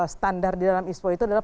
standar di dalam ispo itu adalah